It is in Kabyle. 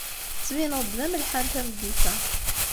Tettbineḍ-d d amelḥan tameddit-a.